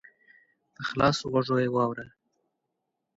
په خلاصو غوږو یې واوره !